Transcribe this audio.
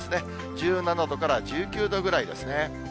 １７度から１９度ぐらいですね。